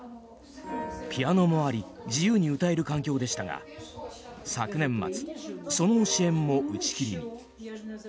ピアノもあり自由に歌える環境でしたが昨年末、その支援も打ち切りに。